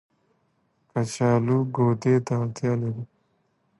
کچالو ګودې ته اړتيا لري